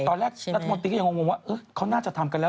ตอนแรกรัฐมนตรีก็ยังงงว่าเขาน่าจะทำกันแล้ว